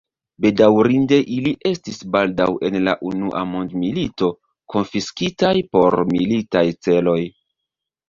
Bedaŭrinde ili estis baldaŭ en la unua mondmilito konfiskitaj por militaj celoj.